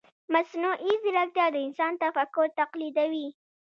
مصنوعي ځیرکتیا د انسان تفکر تقلیدوي.